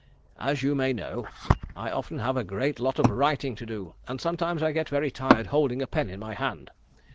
As you may know, I often have a great lot of writing to do and sometimes I get very tired holding a pen in my hand.